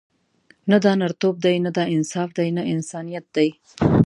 نه دا نرتوب دی، نه دا انصاف دی، نه انسانیت دی.